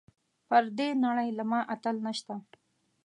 پر دې نړۍ له ما اتل نشته .